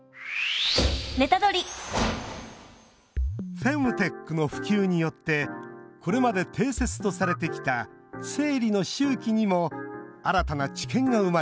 フェムテックの普及によってこれまで定説とされてきた生理の周期にも新たな知見が生まれています。